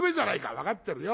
「分かってるよ。